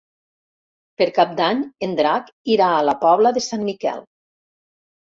Per Cap d'Any en Drac irà a la Pobla de Sant Miquel.